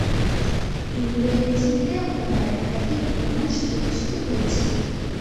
ইংরেজিতে ওনার একাধিক উপন্যাস প্রকাশিত হয়েছে।